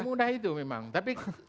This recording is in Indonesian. semudah itu memang tapi